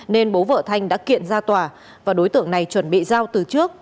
nên bố vợ thanh đã kiện ra tòa và đối tượng này chuẩn bị giao từ trước